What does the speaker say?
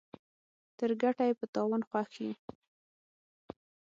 تر ګټه ئې په تاوان خوښ يو.